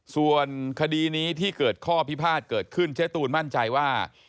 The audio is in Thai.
ส่วนคดีนี้ที่เกิดข้อพิพาทเกิดขึ้นเจ๊ตูนมั่นใจว่า